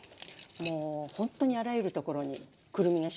もうほんっとにあらゆるところにくるみが忍んでますね。